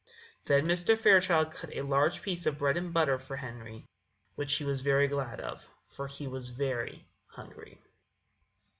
Then Mr. Fairchild cut a large piece of bread and butter for Henry, which he was very glad of, for he was very hungry.